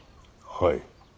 はい。